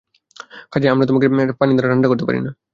কাজেই তাকে তোমরা পানি দ্বারা ঠাণ্ডা কর।